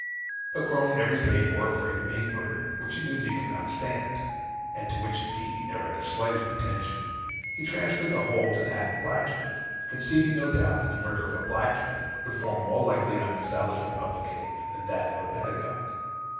But growing every day more afraid of being murdered, which he knew that he could not stand, (and to which, indeed, he never had the slightest pretension,) he transferred the whole to the Hatton blacksmith; conceiving, no doubt, that the murder of a blacksmith would fall more lightly on the salus reipublicæ, than that of a pedagogue.